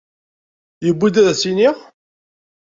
Yewwi-d ad as-iniɣ?